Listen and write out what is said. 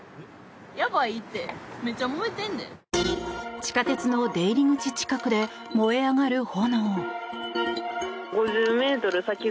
地下鉄の出入り口近くで燃え上がる炎。